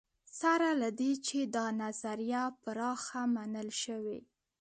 سره له دې چې دا نظریه پراخه منل شوې.